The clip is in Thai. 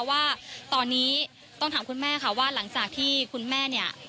ว่าตอนนี้ต้องถามคุณแม่ค่ะว่าหลังจากที่คุณแม่เนี่ย